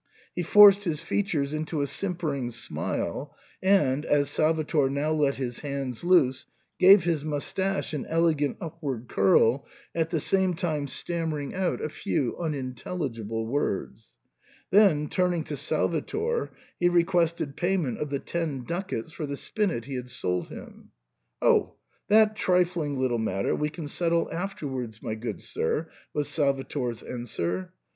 He forced his features into a sim pering smile, and, as Salvator now let his hands loose, gave his moustache an elegant upward curl, at the same time stammering out a few unintelligible words. Then, turning to Salvator, he requested payment of the ten ducats for the spinet he had sold him. " Oh ! that trifling little matter we can settle after wards, my good sir," was Salvator's answer.